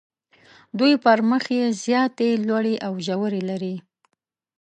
دوی پر مخ یې زیاتې لوړې او ژورې لري.